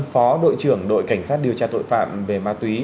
phó đội trưởng đội cảnh sát điều tra tội phạm về ma túy